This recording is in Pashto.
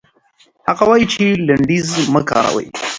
هغه وايي چې لنډيز مه کاروئ.